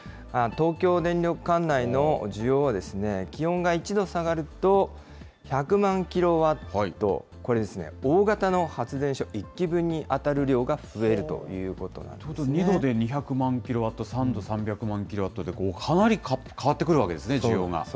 東京電力管内の需要は、気温が１度下がると、１００万キロワット、これですね、大型の発電所１基分に当たる量が増えるということなんですね。というと２度で２００万キロワット、３度３００万キロワットで、かなり変わってくるわけですね、需要が。